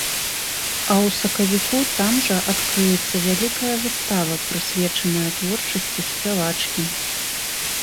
А ў сакавіку там жа адкрыецца вялікая выстава, прысвечаная творчасці спявачкі.